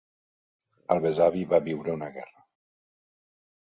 El besavi va viure una guerra.